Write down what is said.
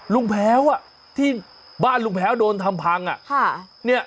ลุงแพ้วอ่ะที่บ้านลุงแพ้วโดนทำพังอ่ะค่ะเนี้ย